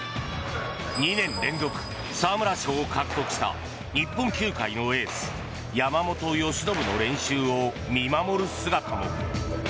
２年連続、沢村賞を獲得した日本球界のエース山本由伸の練習を見守る姿も。